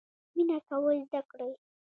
مینه کول زده کړئ